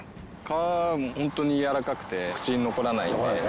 皮もホントにやわらかくて口に残らないので。